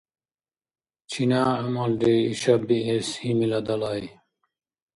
Чина гӀямалри ишаб биэс гьимила далай?!